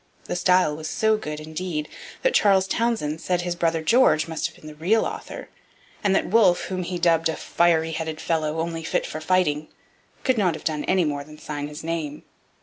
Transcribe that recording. The style was so good, indeed, that Charles Townshend said his brother George must have been the real author, and that Wolfe, whom he dubbed 'a fiery headed fellow, only fit for fighting,' could not have done any more than sign his name.